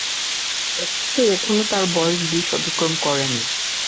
অথচ এখনো তার বয়স বিশ অতিক্রম করেনি।